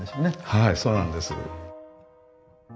はいそうなんです。